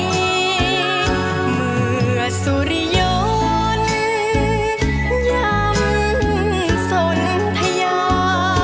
เมื่อสุริยนต์ย้ำสนทยา